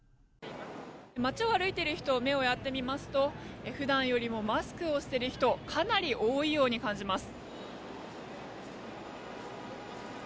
街を歩いている人に目をやってみますと普段よりもマスクをしている人がかなり多いように感じます。